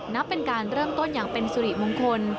นับเป็นการเริ่มต้นอย่างเป็นสุริมงคล